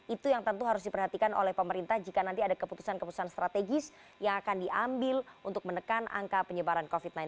itu yang tentu harus diperhatikan oleh pemerintah jika nanti ada keputusan keputusan strategis yang akan diambil untuk menekan angka penyebaran covid sembilan belas